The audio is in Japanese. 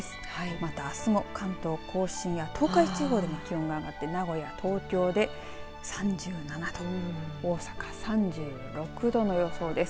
またあすも関東甲信や東海地方でも気温が上がって名古屋、東京で３７度大阪３６度の予想です。